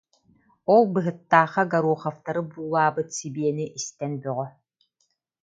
Ол Быһыттаахха Гороховтары буулаабыт сибиэни истэн бөҕө